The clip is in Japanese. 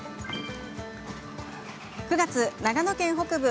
９月、長野県北部